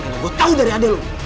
karena gue tau dari adek lo